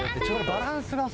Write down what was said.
バランスがさ。